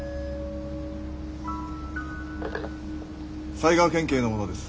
埼川県警の者です。